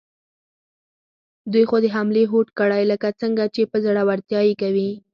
دوی خو د حملې هوډ کړی، که څنګه، چې په زړورتیا یې کوي؟